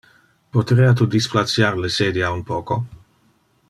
Poterea tu displaciar le sedia un poco?